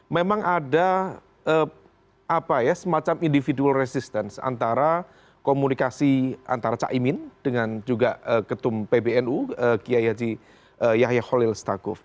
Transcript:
memang ada semacam individual resistance antara komunikasi antara caimin dengan juga ketum pbnu kiai haji yahya khalil stakuf